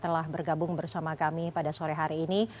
telah bergabung bersama kami pada sore hari ini